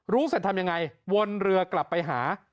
เสร็จทำยังไงวนเรือกลับไปหา